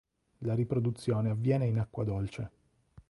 La riproduzione avviene in acqua dolce.